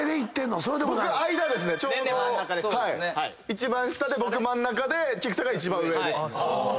一番下で僕真ん中で菊田が一番上ですね。